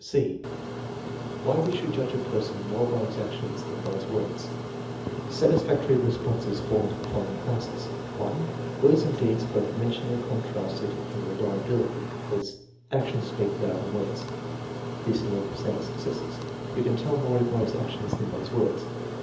(c) Why we should judge a person more by his actions than by his words Satisfactory responses fall into the following classes : (1) Words and deeds both mentioned and contrasted in relia bility; as: "Actions speak louder than words" (this in 8 per cent of successes). "You can tell more by his actions than by his words."